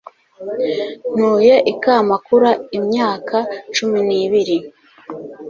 Ntuye i Kamakura imyaka cumi n'ibiri.